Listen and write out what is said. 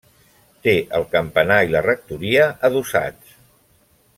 Té el campanar i la rectoria adossats.